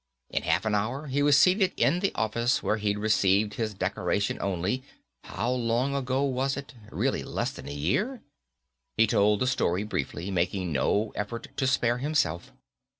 In half an hour he was seated in the office where he'd received his decoration only how long ago was it, really less than a year? He told the story briefly, making no effort to spare himself.